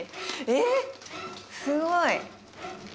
えっすごい。